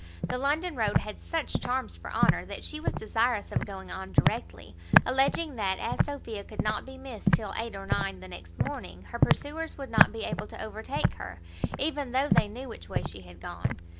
The London road had such charms for Honour, that she was desirous of going on directly; alleging that, as Sophia could not be missed till eight or nine the next morning, her pursuers would not be able to overtake her, even though they knew which way she had gone.